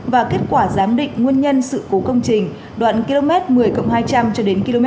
và kết quả giám định nguyên nhân sự cố công trình đoạn km một mươi hai trăm linh cho đến km một mươi ba trăm năm mươi